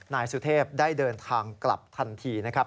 นายสุเทพได้เดินทางกลับทันทีนะครับ